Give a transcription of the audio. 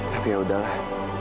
tapi ya udahlah